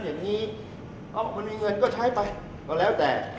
อย่างงี้โอ้มันมีเงินก็ใช้ไปก็แล้ว